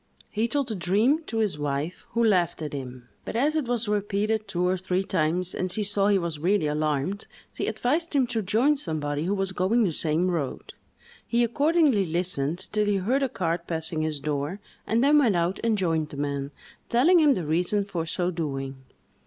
He told the dream to his wife, who laughed at him; but, as it was repeated two or three times and she saw he was really alarmed, she advised him to join somebody who was going the same road. He accordingly listened till he heard a cart passing his door, and then went out and joined the man, telling him the reason for so doing.